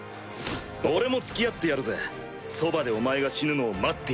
俺も付き合ってやるぜそばでお前が死ぬのを待ってやる。